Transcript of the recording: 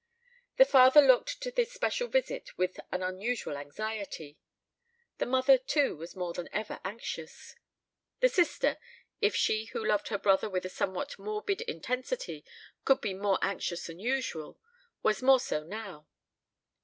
The father looked to this special visit with an unusual anxiety. The mother too was more than ever anxious. The sister, if she who loved her brother with a somewhat morbid intensity could be more anxious than usual, was more so now.